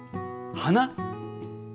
花。